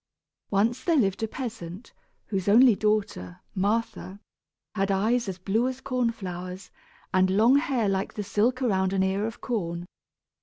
] Once there lived a peasant whose only daughter, Martha, had eyes as blue as corn flowers and long hair like the silk around an ear of corn.